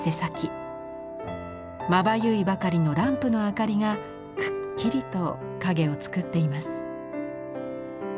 まばゆいばかりのランプの明かりがくっきりと影をつくっています。